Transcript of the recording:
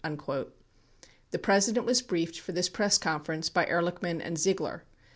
27 The President was briefed for this press conference by Ehrlichman and Ziegler.